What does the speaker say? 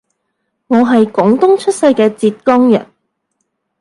我係廣東出世嘅浙江人